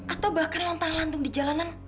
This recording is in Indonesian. atau bahkan lontar lantung di jalanan